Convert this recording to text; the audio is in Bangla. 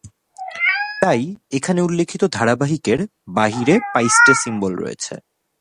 তাই এখানে উল্লেখিত ধারাবাহিকের 'বাহিরে' পাইস্টে সিম্বল রয়েছে।